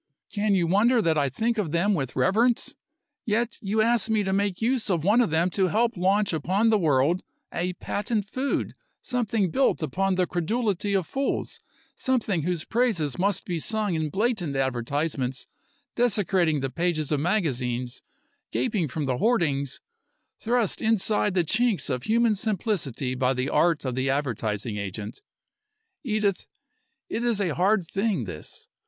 Can you wonder that I think of them with reverence? Yet you ask me to make use of one of them to help launch upon the world a patent food, something built upon the credulity of fools, something whose praises must be sung in blatant advertisements, desecrating the pages of magazines, gaping from the hoardings, thrust inside the chinks of human simplicity by the art of the advertising agent. Edith, it is a hard thing, this.